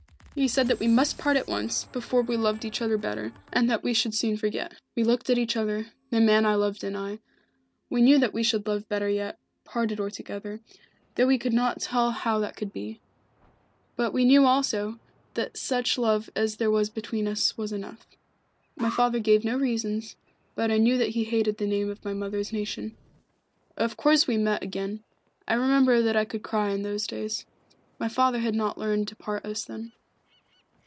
He said that we must part at once, before we loved each other better and that we should soon forget. We looked at each other, the man I loved and I. We knew that we should love better yet, parted or together, though we could not tell how that could be. But we knew also that such love as there was between us was enough. My father gave no reasons, but I knew that he hated the name of my mother's nation. Of course we met again. I remember that I could cry in those days. My father had not learned to part us then.